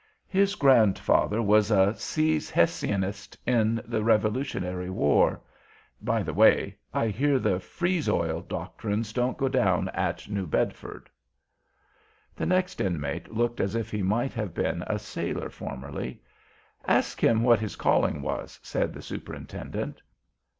"His grandfather was a seize Hessian ist in the Revolutionary War. By the way, I hear the freeze oil doctrines don't go down at New Bedford." The next Inmate looked as if he might have been a sailor formerly. "Ask him what his calling was," said the Superintendent.